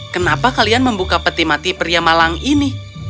kenapa kalian membuka peti mati pria malang ini